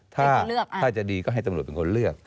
ถ้าจะดีก็ให้ตำรวจเป็นคนเลือก